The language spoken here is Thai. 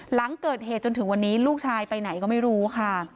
หลังเกิดเหตุจนถึงวันนี้ลูกชายไปไหนก็ไม่รู้ค่ะ